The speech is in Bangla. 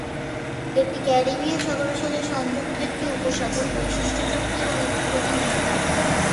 এটি ক্যারিবীয় সাগরের সাথে সংযুক্ত একটি উপসাগর বৈশিষ্ট্যযুক্ত এবং একটি প্রধান বন্দর।